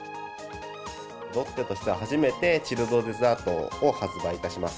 ロッテとしては初めて、チルドデザートを発売いたします。